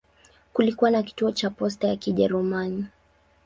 Kulikuwa na kituo cha posta ya Kijerumani.